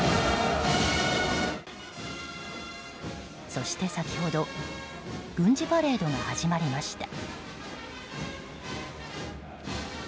そして、先ほど軍事パレードが始まりました。